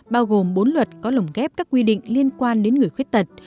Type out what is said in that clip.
bao gồm bốn luật có lồng ghép các quy định liên quan đến người khuyết tật